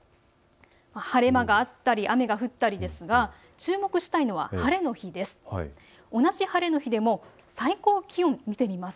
晴れ間があったり雨が降ったりですが注目したいのは晴れの日です。